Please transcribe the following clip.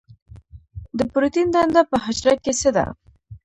د پروټین دنده په حجره کې څه ده؟